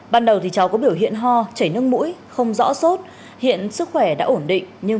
ban đầu cháu có biểu hiện ho chảy nước mũi không rõ sốt hiện sức khỏe đã ổn định nhưng